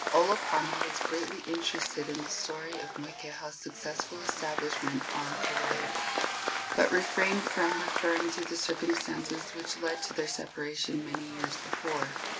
Olopana was greatly interested in the story of Moikeha's successful establishment on Kauai, but refrained from referring to the circumstances which led to their separation many years before.